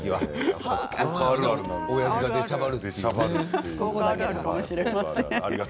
おやじが出しゃばる。